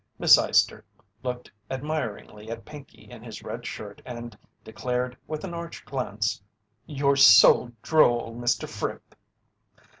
Miss Eyester looked admiringly at Pinkey in his red shirt and declared with an arch glance: "You're so droll, Mr. Fripp!"